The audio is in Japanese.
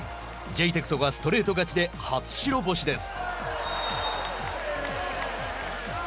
ジェイテクトがストレート勝ちで初白星です。